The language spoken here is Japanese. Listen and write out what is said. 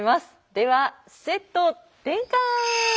ではセット転換！